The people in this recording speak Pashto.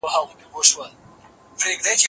بې اتفاقي د دې سبب وه